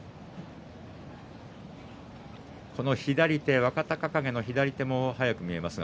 左手若隆景の左手も早く見えます。